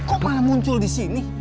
kok malah muncul disini